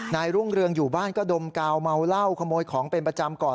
รุ่งเรืองอยู่บ้านก็ดมกาวเมาเหล้าขโมยของเป็นประจำก่อน